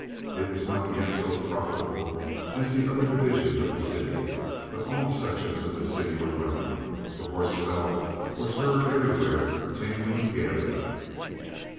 It was not yet so profitable as the other divisions of the city, but all sections of the city were growing. The horse bell was heard everywhere tinkling gaily.